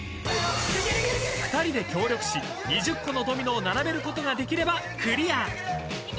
［２人で協力し２０個のドミノを並べることができればクリア］